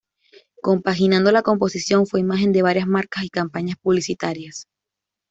Compaginando la composición, fue imagen de varias marcas y campañas publicitarias.